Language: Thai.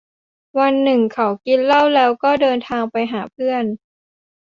วันหนึ่งเขากินเหล้าแล้วก็เดินทางไปหาเพื่อน